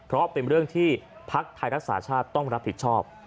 เพราะเป็นเรื่องที่ภักดิ์ไทยรักษาชาติต้องรับผิดชอบ